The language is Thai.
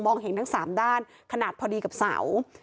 เห็นทั้ง๓ด้านขนาดพอดีกับเสา